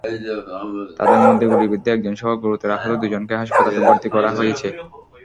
তাঁদের মধ্যে গুলিবিদ্ধ একজনসহ গুরুতর আহত দুজনকে হাসপাতালে ভর্তি করা হয়েছে।